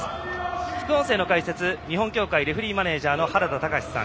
副音声の解説は日本協会レフリーマネージャーの原田隆司さん。